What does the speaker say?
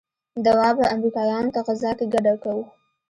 دوا به امريکايانو ته غذا کې ګډه کو.